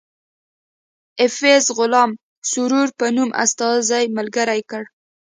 ایفز غلام سرور په نوم استازی ملګری کړ.